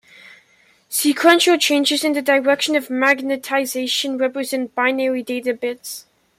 Sequential changes in the direction of magnetization represent binary data bits.